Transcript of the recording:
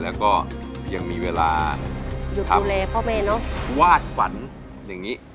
แล้วก็ยังมีเวลาวาดฝันอย่างนี้